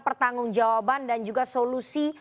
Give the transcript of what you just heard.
pertanggung jawaban dan juga solusi